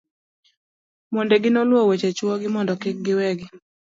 mondegi noluwo weche chuo gi mondo kik we gi